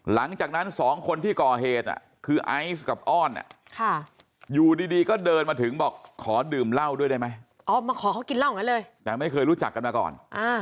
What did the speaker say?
หลังจากนั้นสองคนที่ก่อเหตุคือไอซ์กับอ้อนอยู่ดีก็เดินมาถึงบอกขอดื่มเหล้าด้วยได้ไหมมาขอเขากินเหล้าอย่างนั้นเลยแต่ไม่เคยรู้จักกันมาก่อน